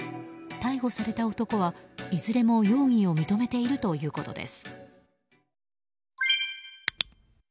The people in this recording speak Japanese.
逮捕された男は、いずれも容疑を認めているということです。